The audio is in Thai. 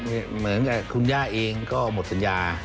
เหมือนกับคุณย่าเองก็หมดสัญญา